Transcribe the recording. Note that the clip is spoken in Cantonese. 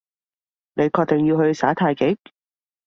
你確定要去耍太極？